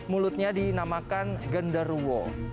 mulutnya dinamakan gendaruo